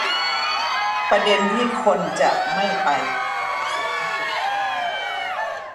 ประเด็นที่คนจะไม่ไป